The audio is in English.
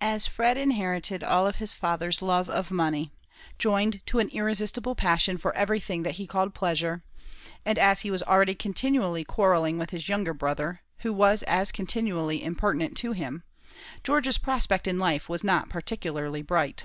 As Fred inherited all his father's love of money, joined to an irresistible passion for everything that he called pleasure; and as he was already continually quarrelling with his younger brother, who was as continually impertinent to him, George's prospect in life was not particularly bright.